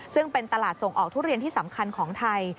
ซึ่งเป็นตลาดส่งออกทุเรียนที่สำคัญของไทย